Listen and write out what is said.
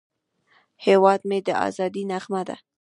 هیواد مې د ازادۍ نغمه ده